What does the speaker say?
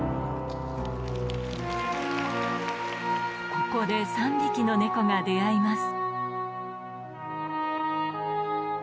ここで３匹の猫が出合います